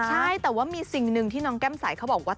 ใช่แต่ว่ามีสิ่งหนึ่งที่น้องแก้มใสเขาบอกว่า